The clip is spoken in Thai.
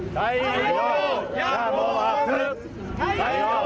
ไต้โบย่าโมอับสุด